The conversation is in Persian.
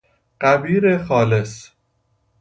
غبیر خالص